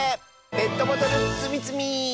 「ペットボトルつみつみ」！